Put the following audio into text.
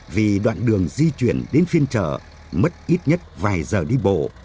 vì đoạn đường di chuyển đến phiên chợ mất ít nhất vài giờ đi bộ